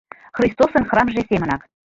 Христосын храмже семынак.